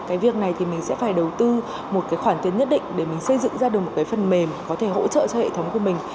cái việc này thì mình sẽ phải đầu tư một cái khoản tiền nhất định để mình xây dựng ra được một cái phần mềm có thể hỗ trợ cho hệ thống của mình